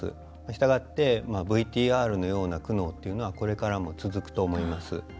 したがって、ＶＴＲのような苦悩というのはこれからも続くと思います。